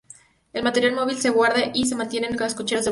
El material móvil se guarda y mantiene en las cocheras de Boulogne.